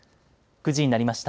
９時になりました。